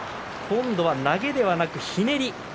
今度は投げではなくひねりです。